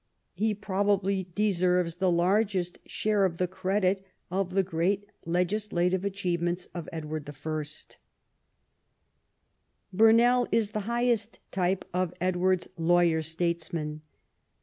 He probably deserves the largest share of the credit of the great legislative achievements of Edward I. Burnell is the highest type of Edward's lawyer statesmen.